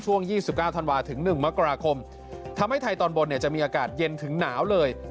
ช่วง๒๙ธันวาคถึง๑มกราคมทำให้ไทยตอนบนจะมีอากาศเย็นถึงหนาวเลย